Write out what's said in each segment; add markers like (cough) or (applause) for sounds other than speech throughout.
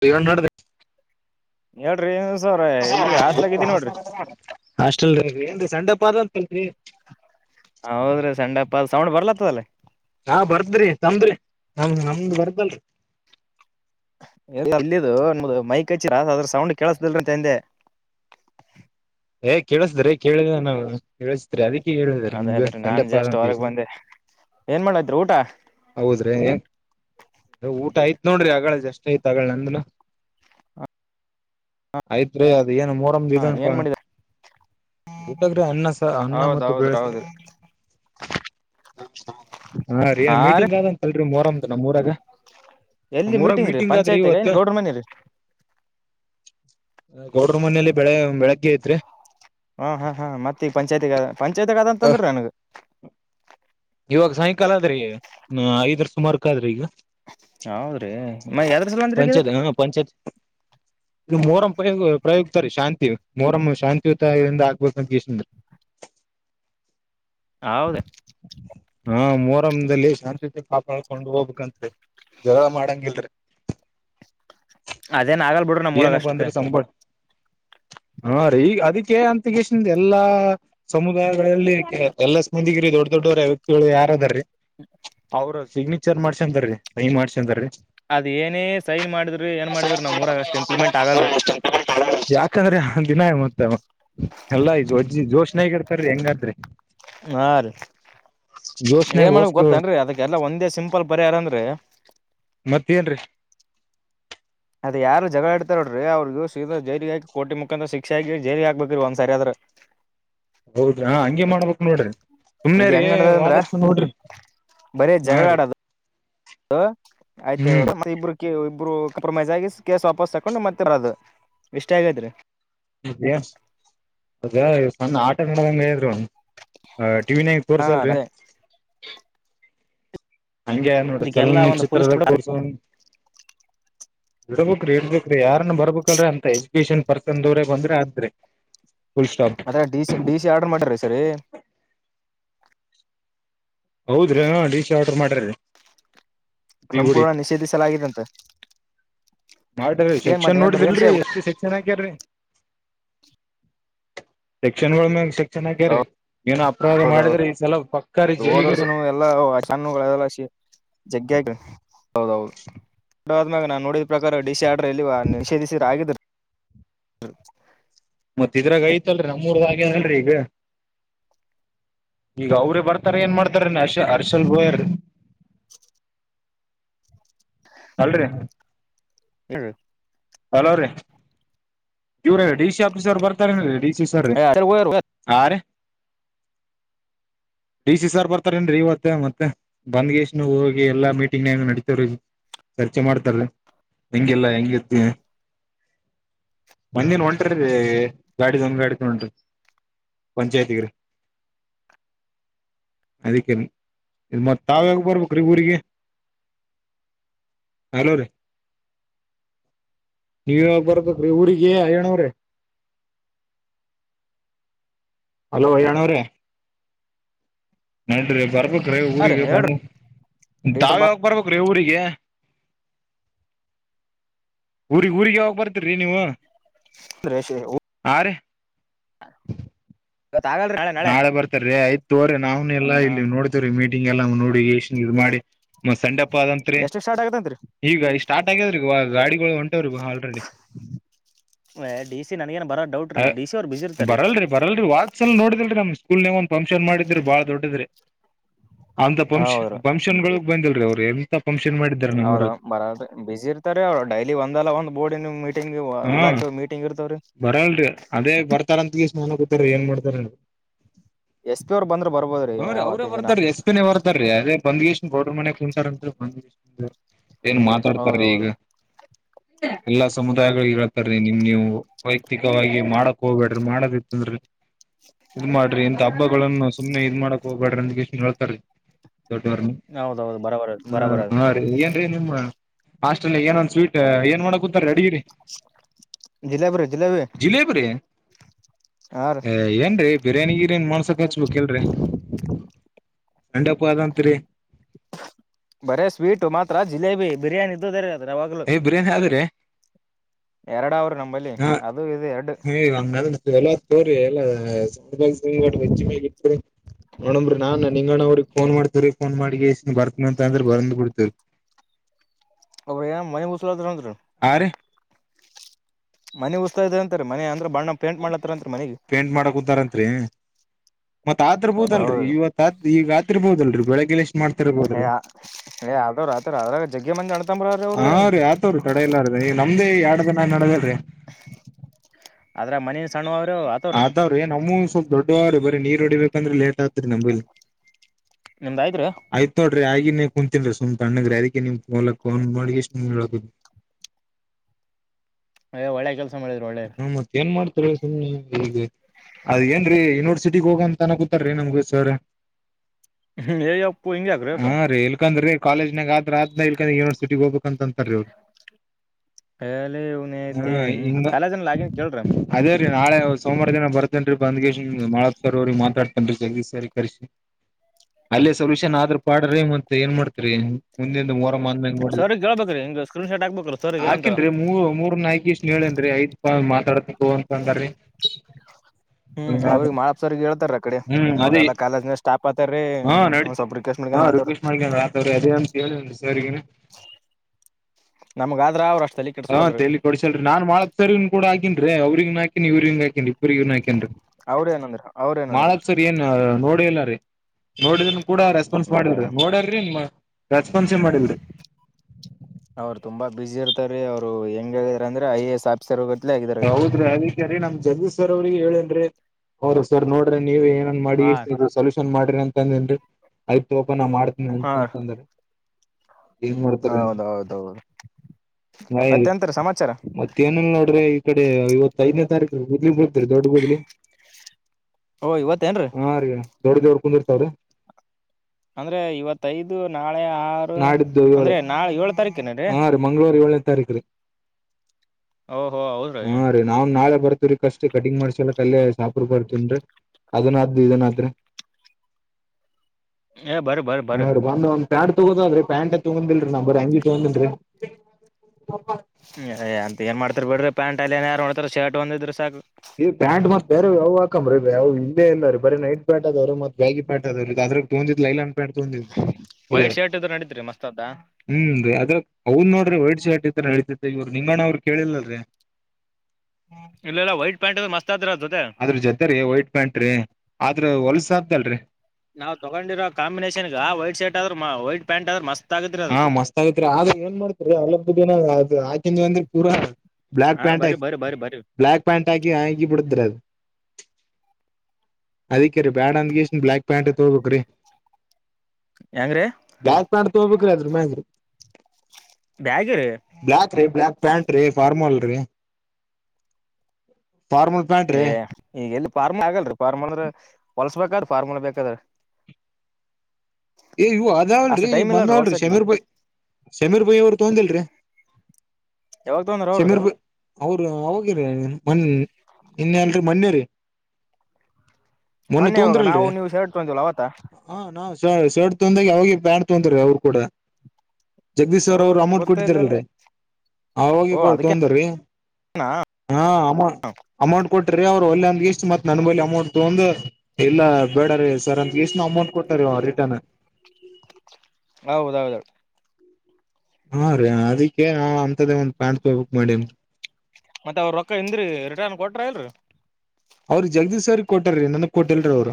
Three hundred ಹೇಳ್ರಿ sir ಇಲ್ಲಿ ಹಾಸ್ಲಾಗ ಇದೀನಿ ನೋಡ್ರಿ ಹಾಸ್ಟೆಲ್ ರ ಏನ್ ಸಂಡೆ ಪಾದ (unintelligible) ಹೌದ್ರಿ ಸಣ್ಣೆಪ್ಪ ಅ ಸೌಂಡ್ ಬರ್ಲತ್ತದಲ್ಲ ಹಾ ಬರ್ದ್ರಿ ತಂದ್ರಿ ನಮ ನಮ್ದ್ ಬರ್ದಲ್ರಿ ಅಲ್ಲಿ ನಮ್ದ ಮೈಕ್ ಹಚ್ಚಿರ ಅದ್ರ ಸೌಂಡ್ ಕೇಳಸಲ್ರ ಅಂತ ಎಂದೆ ಏ ಕೇಳಸಿದ್ರೀ ಕೇಳ ಕೇಳಿಸಸಿದ್ರಿ ಅದಿ ಅದ ಅದ್ರೀ ನಾನ್ ಜಸ್ಟ್ ಹೊರಗ್ ಬಂದೆ ಏನ್ ಮಾಡ್ಲತ್ರಿ ಊಟ ಹೌದ್ರಿ ಊಟ ಆಯ್ತ್ ನೋಡ್ರಿ ಅಗಳ ಜ ಎಷ್ಟ ಐತ್ ಅಗಳ ನಂದನ ಆಯ್ತರೀ ಅದ ಏನು ಮೂರಮ್ದ ಹಾ ಇದನಪ ಏನ್ ಮಾಡಿದ ಊಟಗ್ರೆ ಅನ್ನಸ ಅನ್ನ ಮತ್ತು ಹೌದೌದ್ರಿ ಬೇಳೆಸ ಹೌದ್ರಿ ಅಲ್ಲರಿ ಹಾ ಮೆಟ್ ರೀ ತಲ್ ಮೋರ ನಮೂರಗೆ ಎಲ್ಲಿ ಮೀಟಿಂಗ್ ರೀ ಪಂಚಾಯತ್ಗ ಏನ್ ಗೌರ್ಮೆನ್ ರೀ ಗೌಡರು ಮನೇೆಯಲ್ಲಿ ಬೆಳಗ್ ಬೆಳಗ್ಗೆ ಐತ್ರಿ ಹಾ ಹಾ ಹಾ ಮತ್ತ ಈಗ ಪಂಚಾಯತಿಗೆಗ ಪಂಚಾಯತ್ತಿಗದ ಅಂತಂದ್ರ ನನ್ಗೆ ಇವಾಗ ಸಾಯಂಕಾಲ ಆದದ್ರಿ ಐದರ ಸುಮಾರಕ್ ಆದ್ರ ಈಗ ಹೌದ್ರೀ ಮ ಯಾದ್ರಸಲ ಅಂದ್ರಗ ಪಂಚಾಯತ್ ಪಂಚಾಯತ್ ಇದು ಮೂರಂಪ ಪ್ರಯೋಗಕ್ತ ರೀ ಶಾಂತಿ ಮೋರಮ್ಮ ಶಾಂತಿಯುತ ಇಂದ ಆಗ್ಬಂತಷ್ಟ ಅಂದ ಹೌದ ಹಾ ಮೋರಮದಲ್ಲಿ ಶಾಂತೀತೆ ಕಾಪಾಡ್ಕೊಂಡು ಹೋಗ್ಬೇಕಕ್ತ್ರಿ ಜ್ವರ ಮಾಡಂಗಲ್ರಿ ಅದೇ ಅದೇನ್ ಆಗಲ್ ಬಿಡ್ರ ಏನ ನಮ್ಮೂರಂಗ ಅಷ್ಟಕ್ಕೆ ಬಂದ್ರ ಸಂಬಳ ಹಾ ರೀ ಈಗ ಅದಕ್ಕೆೇ ಅಂತಗಷ್ಟ ಎಲ್ಲಾ ಸಮುದಾಯಗಳಲ್ಲಿ ಎಲ್ಲಾ ಸ್ಪಂದಿಗ್ರೀ ದೊಡ್ ದೊಡ್ಡವರ ವ್ಯಕ್ತಿಗಳು ಯಾರ ಅದಾರೀ ಅವ್ರ ಸಿಗ್ನೇಚರ್ ಮಾಡ್ಸ್ಯ ಅಂತಾರೀ ಸಹಿ ಮಾಡ್ಸ ಅಂತಾರೀ ಅದ ಏನೇ ಸೈನ್ ಮಾಡಿದ್ರು ಏನ್ ಮಾಡಿದ್ರು ನಮ್ ಊರಕ ಅಷ್ಟ್ ಇಂಪ್ಲಿಮೆಂಟ್ ಆಗಲ್ರಿ ಯಾಕಾದ್ರೆ (inaudible) ಹ ದಿನಾಯ ಮತ್ತ ಎಲ್ಲಾ ಈ ಜಿ ವಜ್ಜಿ ಜೋಶನಗ ಇರ್ತಾರಿ ಹೆಂಗಾದ್ರಿ ಹಾ ರೀ ಜೋಷನಾಗ ಏನ್ ಮಾಡ್ಬೇಕ್ ವೋಸ್ಕು ಗೊತ್ತೇನ್ರಿ ಅದಕ್ಕೆಲ್ಲ ಒಂದೇ ಸಿಂಪಲ್ ಪರಿಹಾರ ಅಂದ್ರ ಮತ್ತೇನ್ರೀ. ಅದ ಯಾರು ಜಗಳಾ ಆಡ್ತಾರ ನೋಡ್ರಿ ಅವ್ರಿಗಿ ಸೀದಾ ಜೈಲಿಗಿ ಹಾಕಿ, ಕೋಟಿಗಿ ಮುಖಾಂತರಾ ಶಿಕ್ಷೆ ಹಾಕಿ, ಜೈಲಿಗಿ ಹಾಕ್ಬೇಕರಿ ಒಂದ್ ಸರಿ ಆದ್ರ. ಹೌದ ಹಾ ಹಂಗೆ ಮಾಡ್ಬೇಕ್ ನೋಡ್ರಿ. ಸುಮ್ನೆ ಇದು ರೀ ಹೆಂಗ ನಡೆದಾದಂದ್ರ ವಾದರ್ಸ ನೋಡ್ರಿ ಬರೆ ಹಾ ಜಗಳ ರೀ ಆಡೋದ ಹ್ಮ ಆಯ್ತು. ಹ್ಮ್ ಇ ಇಬ್ರು ಕಾಂಪ್ರಮೈಸಾಗಿ ಆಗಿ ಕೇಸ್ ವಾಪಸ್ ತಕೊಂಡು ಮತ್ತೆ ಇರದು. ಇಷ್ಟ ಆಗೈತಿ. (inaudible) ಹೇ ಸಣ್ಣ ಆಟ ನಡೆದಂಗ ಆಗ್ಯದ ರಿ ಇವ್ಗ್. ಹ ಟಿವಿನಗ ಹಾ ತೋರ್ಸಲ್ರಿ. ಹಂಗೆ ಆದ ನೋಡ್ರಿ ಇದಕ್ಕೆಲ್ಲ ಚಲನ ಒಂದು ಫುಲ್ ಚಿತ್ರದಗ ಸ್ಟಾಪ್ ತೋರ್ಸುಲ ಇಡುಬಕ್ರಿ ಇಡುಬಕ್ರಿ ಬರ್ಬೇಕಲ್ರರಿ ಅಂತ ಎಜುಕೇಶನ್ ಪರ್ಸನ್ ದವರೇ ಬಂದ್ರಿ ಆತದರಿ. ಮತ್ತ D C D C order ಮಾಡಾರೀ ಈ ಸರಿ ಹೌದ್ರಿ ಡಿಸಿ ಆರ್ಡರ್ ಮಾಡ್ರರಿ. ಸಂಪೂರ್ಣ ನಿಷೇಧಿಸಲಾಗಿದೆಂತ. (unintelligible) ಶೇಕ್ಷನ್ಗಳು, ವಿಷಯ ಮ್ಯಾಗ ಸೆಕ್ಷನ್ ಹ ಹಾಕ್ಯಾರೀ ಏನೋ ಅಪರಾಧ ಹೌದೌದು ಮಾಡಿದ್ರೆ ಈ ಸಲ ಪಕ್ಕಾರಿ ಹ ಜೈಲಿಗರಿ ಓದರ್ಸನು ಎಲ್ಲಾ ಚಲ್ಲ ಜಗ್ಗ ಆಗಿ ಹೌದೌದುಡ ಆದ್ಮ್ಯಾಗ ನಾನ್ ನೋಡಿದ ಪ್ರಕಾರ ಡಿಸ್ ಆ (unintelligible) (inaudible) ಮತ್ತ ಇದ್ರಾಗ ಐತಲ್ರಿ ನಮ್ಮರ್ದಾಗೆ ಅಲ್ರಿ ಈಗ ಈಗ ಅವ್ರೇ ಬರ್ತಾರ ಏನ್ ಮಾಡ್ತಾರ ಹರ್ಷ ಹರ್ಷಲ್ ಹೋಗ್ಯಾರ್ರಿ. ಅಲ್ರಿ. ಹ್ಮ ಹಲೋ ರೀ ಜೂ ರ ಡಿ ಸಿ ಆಫೀಸ್ ಸರ್ ಬರ್ತಾರೀ. ಡಿ ಸಿ ಸರ್ ಹೇಳ್ರಿ ಆ ರೀ, ಡಿ ಸಿ ಸಾರ್ ಬರ್ತಾರ ಏನ್ ರಿ ಇವತ್ತ ಮತ್ತೆ ಬಂದ್ಗೇಶ್ನ ಹೋಗಿ ಎಲ್ಲಾ ಮೀಟಿಂಗ್ ಹೆಂಗ ನಡತವೀ ಚರ್ಚೆ ಮಾಡ್ತಾರೀ ಹೆಂಗಗೆಲ್ಲಾ ಹೆಂಗತಿ. ಮಂದಿನ ಹೊಂಟರಿ ಗಾಡಿ ದಂಗ ಗಾಡಿ ಹೊಂಟ್ರ ಪಂಚಾಯತಿಗ್ರೀ ಅದಿಕ್ಕೆ ಇ ಮತ್ ತಾವ್ಯಾಗ ಬರ್ಬೇಕ್ರೀ ಊರಿಗೆ ಹಲೋ ರೀ. ನೀವ ಯವಾಗ ಬರ್ಬೇಕ್ರೀ, ಊರಿಗೆ ಅಯ್ಯಣ್ಣ ಅವ್ರೆ. ಹಲೋ ಅಯ್ಯಾಣ ಅವ್ರೆ. ನಡ್ರರಿ ಬರ್ಬೇಕ ರೇ ಊರಿಗೆ ಬ ತಾವ ಯಾವಾಗ ಬರ್ಬೇಕು ರೀ ಊರಿಗೆ. ಊರಿಗೆ, ಊರಿಗೆ ಯಾವಾಗ ಬರ್ತೀರಿ ನೀವು. (unintelligible) ಹಾರಿ ನಾಳೆ ಬರ್ತೀರಿ ಆಯ್ತ್ ನಾವ್ ಎಲ್ಲ ಹಾ ಇಲ್ಲಿ ನೋಡ್ತೆವ್ರೀ ಮೀಟಿಂಗ್ ಎಲ್ಲಾ ನೋಡಿಗೇಸಿ ಇದ್ ಮಾಡಿ ಮತ್ ಸಂಡೆ ಅಪ್ ಆದ್ ಅಂತ ರಿ ಎಷ್ಟು ಸ್ಟಾರ್ಟ್ ಆಗತ್ತಂತ್ರಿ ಈಗ ಇಷ್ಟು ಸ್ಟಾರ್ಟ ಆಗ್ಯದ ರಿ ಇವಾಗ ಗಾಡಿ ಹ್ಮ್ ಹೊಂಟೆವ್ರಿ ಆಲ್ರೆಡಿ ಡಿ ಸಿ ನನಗೇನ್ ಬರೋ ಡೌಟ್ ರೀ ಅ ಡಿ ಸಿ ಅವ್ರು ಬಿಸಿ ಇರ್ತಾರೀ ಬರಲ್ರಿ ಬರಲ್ರಿ ವಾತ್ಸ್ಲ್ ನೋಡಿ ಸ್ಕೂಲ್ ನ ಒಂದ್ ಫಂಕ್ಷನ್ ಮಾಡಿದ್ರಿ ಬಾಳ ದೊಡ್ಡದ್ರಿ ಅಂತ ಫಂಕ್ಷನ್ ಫಂಕ್ಷನ್ ಗಳಕ್ ಬಂದಿಲ್ರರಿ ಅವ್ರು ಏನ್ ಹೌದೌದ್ ಬರಲ್ರಿ ಬಿಜಿ ಇರ್ತಾರಿ ಅವರ್ ಡೈಲಿ ಒಂದಲ್ಲ ಒಂದ್ ಬೋರ್ಡಿನು ಮೀಟಿಂಗ್ ವು ಹಾ ಇಲಾಖೆವು ಮೀಟಿಂಗ್ ಇರ್ತವ್ರಿ ತ್ರಿ ಏನ್ ಮಾಡ್ತಾರೆನ್ ಎಸ್ ಪಿ ಅವ್ರು ಬಂದ್ರ ಬರ್ಬೋದ್ರಿ ಹ ರೀ ಅವರೇ ಅವತ್ತಿನ ದಿನ ಬರ್ತಾರೀ ಎಸ್ ಪಿ ಬರ್ತಾರೀ ಅದೇ ಬಂದ್ಗೆಷ್ ಬಡ್ರು ಮನೆಗ್ ಕುಂತಾರಂತ ಹೇಳಿ ಬಂದಿಲ್ಲ ಏನ್ ಮಾತಾಡ್ತಾರಿ ಈಗ ಹೌದೌದು ಎಲ್ಲಾ ಸಮುದಾಯಗಳಿಗೆ ಹೇಳ್ತಾರಿ ನಿಮ್ ನೀವು ವೈಯಕ್ತಿಕವಾಗಿ ಮಾಡಕ್ ಹೋಗ್ಬೇಡ್ರಿ ಮಾಡದಿತ್ತಂದ್ರಿ ಇದ್ ಮಾಡ್ರಿ ಇಂತ ಹಬ್ಬಗಳನ್ನು ಸುಮ್ನೆ ಇದ್ ಮಾಡಕ್ ಹೋಗಬಡ್ರಿ ಅಂದ ಕೇಸಿಂದ ಹೇಳ್ತಾರಿ ದೊಡ್ಡವ್ರುನು ಹೌದೌದು ಬರಬರ ಬರಬರ ಅದು ಹ ಹಾ ರೀ ಏನ್ ಅ ನಿಮ್ ಹಾಸ್ಟೆಲ್ ನ್ಯಾಗ ಏನನ ಸ್ವೀಟ್ ಏನ್ ಮಾಡ ಕುೂತಾರಿ ಅಡಿಗಿ ರಿ ಜಿಲೇಬಿ ರಿ ಜಿಲೇಬಿ ಹಾ ರೀ ಏ ಏನ್ ರಿ ಬಿರ್ಯಾನಿ ಗಿರ್ಯಾನಿ ಮಾಡ್ಸಕ್ ಹಚ್ಬೇಕೀಲ್ರ ಸೆಂಡಪ್ ಅದತ್ರಿ ಬರೇ ಸ್ವೀಟು ಮಾತ್ರ ಜಿಲೇಬಿ ಬಿರಿಯಾನಿ ಇದ್ದುದ್ದ ರಿ ಆದ್ ಏ ಬಿರಿಯಾನಿ ಅದ್ರಿ ಎರಡ ಅವರು ನಂಬಲ್ಲಿ ಅದು ಇದು ಎರಡು ಎಲ್ಲ ತೋರಿ ಎಲ್ಲ ವಚ್ಚಿ (unintelligible) ಮ ಇರಿ ನೋಡಂಬ್ರಿ ನಾನ್ ನಿಂಗಣ್ಣ ಅವ್ರಗ್ ಫೋನ್ ಮಾಡ್ತೇವ್ರಿ ಫೋನ್ ಮಾಡಿ ಇಷ್ಟ ಬರ್ತನ ಅಂತ ಅಂದ್ರ ಬರ್ಂದ್ ಬಿಡ್ತೇವ್ರಿ (unintelligible) ಆ ರಿ ಮನಿ ಉಸ್ತಾದಂತ್ರಿ ಮನಿ ಅನ್ ಬಣ್ಣ ಪೇಂಟ್ ಮಾಡ್ಲತ್ತಂತರಿ ಮನಿಗ್ ಪೇಂಟ್ ಮಾಡಕ್ ಕುಂತಾರಂತ್ರಿ ಮತ್ ಆತಿರ್ಬೇಕಲ್ರಿ ಇವತ್ತ್ ಈಗ ತಿರ್ಬೋದಲ್ ರಿ ಬೆಳಗ್ಗೆ ಲ್ಯಾಸಿ ಏ ಅದು ರಾತ್ರಿ ಆದ್ರಾಗ ಜಗ್ಗಿ ಮಂದಿ ಅಣತಂಬ್ರ್ರೀ ಅವ್ರ ಹಾ ರೀ ಆತವ್ರಿ ತಡ ಇಲ್ಲಾರ್ದ ಈ ನಮ್ದೇ ಎರಡು ದಿನ ನಡದಿಲ್ ರಿ ಆದ್ರ ಮನಿ ಸಣ್ಣವ ಅವ್ರಿ ಆತವ್ರಿ ನಮ್ಮೂ ಸ್ವಲ್ಪ ದೊಡ್ಡವ್ರೀ ಬರೀ ನೀರ್ ಹೊಡಿಬೇಕಂದ್ರೆ ಲೇಟ್ ಆಗ್ತ್ರಿ ನಂಬಲಿ ನಿಮ್ದ್ ಆಯ್ತ್ರಿ ಆಯ್ತೋಡ್ರಿ ಆಯ ಈಗ ಕುಂತನ್ರ ಸುಮ್ ತಣ್ಣಗ್ರ ಅದಕ್ಕೆ ನೀವ್ ಹೋಲಕ್ಕ ಅವ ನೋ ಎಷ್ಟು ನೀಕುದು ಅ ಒಳ್ಳೆಗಲ್ ಒಳ್ಳೆಯರ್ ಏನ್ ಮಾಡ್ತರಿ ಅದ್ ಏನ ರಿ ಯೂನಿವರ್ಸಿಟಿಗ್ ಹೋಗ ಅಂತನ ಗೊತ್ತಾರೀ ನಮ್ಗ ಸರ್ ಹ್ಮ್ ಅವಪ್ಪು ಇಗೆಕಪ ಹಾ ರೀ ಇಲ್ಕಂದ್ರಿ ಕಾಲೇಜ್ನಾಗ ಆದ್ರ ಆದ್ನ ಇಲ್ಕ ಯೂನಿವರ್ಸಿಟಿಗೆ ಹೋಗಬೇಕಕ್ ಅಂತರೀ ಅವ್ರು ಪಾಲ ಹನ ಹಾ ಹಿಂಗ (unintelligible) ಎಲ್ಲ ಜನ ಆಗನ್ ಕೇಳ್ರಿ ಅದೇ ರೀ ನಾಳೆ ಸೋಮವಾರ ದನ ಬರ್ತನ್ ಬಂದ್ ಮಾರ್ ಅವ ಮಾತಾಡ್ತನ್ ಜಂಗ ಸರಿ ಕರ್ಸಿ ಅಲ್ಲೇ ಸೊಲ್ಯೂಷನ್ ಆದ್ರ ಪಾಡ್ರಿ ಮತ್ ಏನ್ ಮಾಡ್ತರಿ ಮುಂದ (unintelligible) ನಡ ಸರ್ ಕೇಳ್ಬೇಕ್ರಿ ಹಿಂಗ ಸ್ಕ್ರೀನ್ ಶಾಟ್ ಹಾಕ್ಬೇಕ್ರಿ ಸರ್ ಏನಂತಾರ ಹಾಕೇನ್ರಿ ಮೂ ಮೂರನ ಹಾಕಿ ಇಷ್ಟ ಏಳ ಅಂದ್ರ ಐದು ಮಾತಾಡತಿ ಅಂದರಿ ಹ್ಮ್ ಅವ್ರಗ್ ಮಾಡಪ್ಸರ್ಗ್ ಹೇಳ್ತಾರ ಅ ಕಡೆ ಹ್ಮ್ ಅವ್ರ ಅದೇ ಎಲ್ಲಾ ಕಾಲೇಜ್ನ ಸ್ಟಾಫ್ ಆತಾರೀ ಹಾ ಒಂದ್ ನಡೀತ ಸ್ವಲ್ಪ್ ರಿಕ್ವೆಸ್ಟ್ನ್ ಆತವರು ಕೆಳಂದು ಸರ್ ಗೆ ನಮ್ಗ ಆದ್ರ ಅವ್ರ ಅಷ್ಟ್ ತಲಿ ಹ ಕೆಡ್ಸ್ಕೊಲ್ರಿ ತಲಿ ಕೊಡ್ಸಲ್ರಿ ನಾನ್ ಮಾಡ ರಿ ಕೂಡ ಆಕೇನ್ರಿ ಅವ್ರರಿಗ ಹಾಕಿನಿ ಇ್ರರಿಗ ಹಾಕನ್ ರಿ ಇಬ್ರಗನ್ ಹಾಕೇನ್ರಿ ಅವ್ರ ಏನಂದ್ರ ಅವ್ರ ಏನಂದ್ರ ಮಾಳಪ್ ಸರ್ ಏನ್ ನೋಡ್ ನೋಲ್ಲ ರೀ ನೋಡಿದ ಕೂಡ ರೆಸ್ಪಾನ್ಸ್ ನೋಡಿ ಮಾಡಿದ್ರಿ ನೋಡಾರ್ರಿ ನಿ ರಾಜಪನ್ಸಮ ಮಾಡಲ್ರಿ ಅವ್ರು ತುಂಬಾ ಬಿಸಿ ಇರ್ತಾರೆ ರೀ ಅವರು ಹೆಂಗ ಆಗಿದಾರ ಅಂದ್ರ ಐ ಎಸ್ ಆಫೀಸರ್ೋಗ ಹೌದ್ರಿ ಅದಕ್ಕೆ ರೀ ನಮ್ದ ಜದೀಶ್ ಸರ್ ಅವ್ರಿಗೆ ಹೇಳನ್ರಿ ಅವರು ಸರ್ ನೋಡ್ರೆ ನೀವ ಏ ಹಾ ಮಾಡಿಯ ಮಾಡ್ರಿ ಅಂತಂದೇನ್ರಿ ಆಯ್ತು ನಾ ಮಾಡ್ತೀನಿ ಹಾ ಅಂತಂತಂದ್ರೆ ಏನ್ ಮಾಡ್ತಾರ ಹೌದೌದೌದು ಆ ಮತ್ತೆಂತರ ಸಮಾಚಾರ ಮತ್ತೇಏನನ್ ನೋಡ್ರಿ ಕಡೆ ಇವತ್ತ ಐದನೇ ತಾರೀಕು ಬದ್ಲಿ ಬೂಡ್ತರಿ ದೊಡ್ ಬದ್ಲಿ ಓ ಇವತ್ತೇನ್ರೀ ಹಾ ರಿ ದೊಡ್ಡ ದೋಡ್ ಕುಂದರ್ (unintelligible) ಅಂದ್ರೆ ಇವತ್ತ ಐದು ನಾ ನಾಳೆ ಆರು ನಾಡಿದ್ದು ಏಳು ಅಂದ್ರೆ ನಾಳೆ ಏಳ ತಾರೀಕನ ರೀ ರು (inaudible) ಓಹೋ ಹೌದ್ರ ಏನು (unintelligible) ಕಟಿಂಗ್ ಮಾಡ್ಸ ಎಲ್ಲ ಕಲ್ಲೆ ಶಾಪುರ್ ಬರ್ತನ್ರಿ ಅದನಾದ ಇದನ ಆದ್ರೆ. ಏ ಬರ್ರ ಬರ್ರ ಬರ್ರ ಪ್ಯಾಡ್ ತಗೋದದ್ರೀ ಪ್ಯಾಂಟ್ ತೊಗಂದಿಲ್ರರಿ ನಾ ಬರಿ ಅಂಗಿ ತಗೊಂಡನ್ ರಿ. ಹ್ಮ್ ಅಂತ ಏನ್ ಮಾಡ್ತಾರರಿ ಬಿಡ್ರಿ ಪ್ಯಾಂಟ್ ಅಲ್ಲಿ ಏ (unintelligible) ಮಾಡಡ್ತಾರ ಶರ್ಟ್ ಹೊಂದಿದ್ರ ಸಾಕು. ಈ ಪ್ಯಾಂಟ್ ಮತ್ ಬೇರೆ ಯಾವ ಹಾಕಂದ್ರ ಯಾವು ಇಲ್ಲೆ ಇಲ್ಲ ರೀ ಬರಿ ನೈಟ್ ಪ್ಯಾಟ್ ಅದಾವ ಮತ್ ಬಾಗಿ ಪ್ಯಾಂಟ್ ಅದಾವರು ಅದ್ರೆ ತೊಂದಿದ್ ಲೈಲಾನ್ ಪ್ಯಾಂಟ್ ತಗೊಂಡಿನ್ರಿ. ವೈಟ್ ಇದಾರೆ ಶರ್ಟ್ ಇದ್ರ ನಡೀತ್ರಿ ಮಸ್ತ್ ಅದ ಹ್ಮ್ ರಿ ಆದ್ರ ಅವನ್ ನೋಡ್ರಿ ವೈಟ್ ಶರ್ಟ್ ಇದ್ರ ನಡಿತೈತ್ ಇವರು ನಿಂಗಣ್ಣ ಅವರು ಕೇಳಿಲ್ಲಲ್ರರಿ. ಇಲ್ಲ ಇಲ್ಲ ವೈಟ್ ಪ್ಯಾಂಟ್ ಇದ ಮಸ್ ಆದ್ರ ಜೊತೆ ರೀ ವೈಟ್ ಪ್ಯಾಂಟ್ ರಿ ಆದ್ರ ಒಲ್ಸದಲ್ರಿ ನಾವ್ ತಗೊಂಡಿರೋ ಕಾಂಬಿನೇಷನ್ ಗ (unintelligible) ವೈಟ್ ಪ್ಯಾಂಟ್ ಆದ್ರ ಮಸ್ ಹಾ ಮಸ್ತ್ ಆಗತ್ ಆದ್ರ ಏನ್ ಮಾಡ್ತರಿ (unintelligible) ದಿನ ಅದು ಅಕ್ (unintelligible) ಅಂದ್ರ ಪೂರ ಬ್ಲ್ಯಾಕ್ ಹಾ ಪ್ಯಾಂಟ್ ಬರಿ ಹಾಕಿ ಬರಿ ಬರಿ ಬರಿ ಬ್ಲ್ಯಾಕ್ ಪ್ಯಾಂಟ್ ಹಾಕಿ ಅ ಅಂಗಿ ಬಿಡದ್ರೆ ಅದು ಅದಿಕೆ ರೀ ಬ್ಯಾಡ್ ಅಂದ್ಗೆ (unintelligible) ಬ್ಯಾಕ್ ಪ್ಯಾಂಟ್ ತೋಬೇಕ್ರಿ ಹೆಂಗ್ರೀ ಬ್ಯಾಕ್ ಮಾಡ (unintelligible) ಬ್ಯಾಗಿ ರೀ ಬ್ಲಕ್ ರೀ ಬ್ಲಕ್ ಪ್ಯಾಂ ರಿ ಫಾರ್ಮಲ್ ರೀ ಫಾರ್ಮಲ್ ಪ್ಯಾಂಟ್ ಏ ರೀ ಈಗೆ ಎಲ್ ಪಾರ್ಮ್ ಆಗಲ್ರಿ ಫಾರ ಅಂದ್ರೆ ಓಲ್ಸ್ (unintelligible) ಫಾರ್ಮಲ್ ಬೇಕಾದ ಏ ಇವ ಅದಾವಲ್ರೀ ಈ ಬಂದಾವಲ್ರಿ ಹೊಲ್ಸಕ್ ಶೀಮಿರ್ ಭಾಯಿ ಶಮೀರ್ ಭಾಯಿ ಅವರು ತೊಂದಿಲ್ರರಿ ಯಾವಾಗ ತಗೊಂಡ್ರ ಅವ್ರು ಸಮೀರ್ ಭಾಯಿ ಅವರು ಅವೋ ಮಣ ಇನ್ಯಲ್ರಿ ಮಣ್ಣೇರಿ ಮೊನ್ನೆ ಯವಾಗ ನಾವು ನೀವು ಶರ್ಟ್ ತಂದವಲ್ ಅವತ ಸ ಚರ್ಡ್ ತಂದಾಗ ಅವಿ ಬ್ಯಾಂಡ್ ತೊಂತ್ರ ಅವರು ಕೂಡ ಜಗದೀಶ್ ಓ ಅವರ್ ಅವರು ನಮ್ಗೆ ಅಮೌಂಟ್ ಗೊತ್ತ ಇಲ್ಲಲ್ಲ ಕೊಟ್ಟಿದರಲ್ರೀ ಆ ಹೋಗಿ ಓ ಅದಕ್ಕೆ ತೊಂದ್ರೀ ಹಮೌ ಅಮೌಂಟ್ ಕೊಟೀ ಅವರು ಒಲ್ಲೆ ಎಷ್ಟು ಮ ನನ್ ಬಲಿ ಅಮೌಂಟ್ ತಗೊಂಡು ಇಲ್ಲ ಬೇಡ ರ ಸರ್ ಅಂತ ಅಮೌಂಟ್ ಕೊಟ್ಟಾರೆ ರಿ ರಿಟರ್ನ್ (unintelligible) ಹೌದ ಹೌದ ಹಾ ರೀ ಅದಕ್ಕೆ ನಾ ಅಂತದೇ ಒಂದ್ ಪ್ಯಾಂಟ್ ತಗೋಬೇಕ್ ಮಾಡಿನ್ ಮತ್ತ್ ಅವರು ರೊಕ್ಕ ಹಿಂದ್ರಿ ರಿಟರ್ನ್ ಕೊಟ್ರ ಇಲ್ರಿ ಅವ್ರರು ಜಗದೀಶ್ ಸರ್ ಗೆ ಕೊಟಾರ್ರೀ ನನಗ್ ಕೊಟ್ಟಿಲ್ ರಿ ಅವ್ರು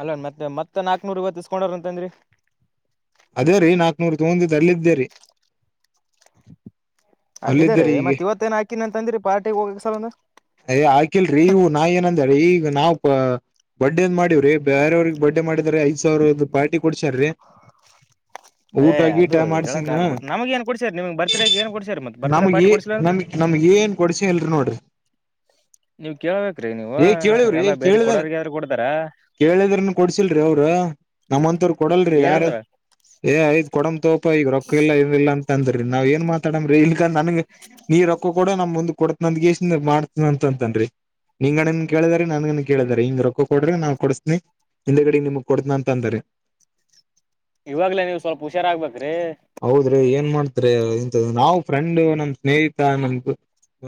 ಅಲ್ಲ ಮತ್ತತ್ ಮತ್ತತ್ ನಾಕ್ನೂರ್ ಇವ ತಸ್ಕೊಂಡ್ರ ಅಂತನ್ರಿ ನೂರು ತೊಗಂದು ತರಲಿದ್ದೇರಿ ಅಲ್ಲಿದ್ದಾರೆ ಅಲ್ಲಿದ್ದರಿ ಈಗ ಮತ್ ಇವತ್ತೇನ್ ಹಾಕಿನ ಅಂತಂದ್ರಿ ಪಾರ್ಟಿಗೆ ಹೋಗಕ್ ಸಲ ಯ ಆಕಲ್ರಿ ಇವು ನಾ ಏನಂದ್ರ ಈಗ ಈ ನಾವು ಪ ಬರ್ಡೇ ಅ ಮಾಡಿವವ್ರೀ ಬೇರವ್ರಿಗೆ ಬರ್ಡಡೆ ಮಾಡಿದ್ರ ಐದ ಸಾವಿರದ ಪಾರ್ಟಿ ಕೊಡ್ಸಾರ್ರೀ ಏ ಊಟಗಿಟ ಅದು ಹೇಳಕ್ ಮಾಡ್ಸನ್ ಆಗಲ್ ಬಿಟ್ ನಮಗ ಏನ್ ಕೊಡ್ಸ್ಯಾರ ನಿಮ್ಗ್ ಬರ್ತ್ಡೇಗ್ ಏನ್ ಕೊಡ್ಸ್ಯಾರ ಮತ್ ಬರ್ತ್ಡೇ ನಮಗಿ ಪಾರ್ಟಿ ಕೊಡ್ಸಿಲ್ಲಲ್ರಿ ನಮಗ್ ನಮ್ಗ ಏನ್ ಕೊಡ್ಸ ಇಲ್ರಿ ನೋಡ್ರಿ ನೀವ್ ಕೇಳ್ಬೇಕ್ರಿ ನೀವು ಏ ಕೇಳಿವ್ರಿ ಎಲ್ಲಾ ಬೇರೆ ಕೇಳಿದ ಕೊಡೋರ್ಗ ಯಾರು ಕೊಡ್ತಾರ ಕೇಳಿದ್ರನು ಕೊಡ್ಸಿಲ್ರಿ ಅವ್ರ ನಮ್ಮಂತರು ಕೊಡಲ್ರಿ ಯಾರ ಏನಂದ್ರ ಏ್ಯ ಕೊಡಮ್ ತೋಪ ಈಗ ರೊಕ್ಕ ಇಲ್ಲ ಏನ್ ಇಲ್ಲ ಅಂತ ಅಂದ್ರರಿ ನಾವ್ ಏನ್ ಮಾತಾಡಮ್ರಿ ನನಗೆ ನೀರಕ್ಕ ನೀ ಕೊಡು ನಾ ಮುಂದಕೊಡುತ್ತೀನಿ ಕೊಡುತ್ತೇನೆ ನಿಂಗಣ್ಣ ಕೊಡ ನಮ ಒಂದ ಕೊಡತನಂದ ಕೇಳಿದಾರ ನನ್ಗನ ಕೇಳಿದಾರ ಹಿಂಗ ರೊಕ್ಕ ಕೊಡ್ರಿ ನಾ ಕೊಡತನಿ ಹಿಂದ ಗಡ ನಿಮಗ್ ಕೊಡತನ ಅಂತ ಅಂದ್ರ ಇವಾಗ್ಲ ನೀವು್ ಸ್ವಲ್ಪ ಹುಷಾರಹಗಬೇಕ್ರಿ ಆದ್ರೆ ನಾವು ಫ್ರೆಂಡ್ ನಮ್ ಸ್ನೇಹಿತ ನಮ್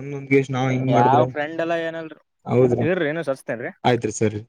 ಒಂದೊಂದ್ ಎಷ್ಟ ಯಾವ ಫ್ರೆಂಡ್ ಎಲ್ಲಾ ಏನಲ್ರು ಹೌದ್ರಿ ಇರಿ ಏನು ಸಸ್ತೇನ್ರೀ ಆಯ್ತ್ರಿ ಸರಿ